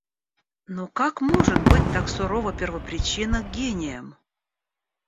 Но как может быть так сурова первопричина к гениям?